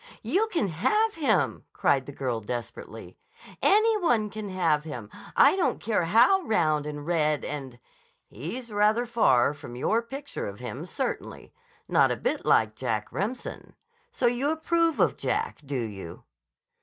"You can have him!" cried the girl desperately. "Any one can have him! I don't care how round and red and—" "He's rather far from your picture of him, certainly. Not a bit like Jack Remsen. So you approve of Jack, do you?"